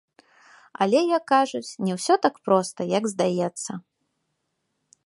Але, як кажуць, не ўсё так проста, як здаецца.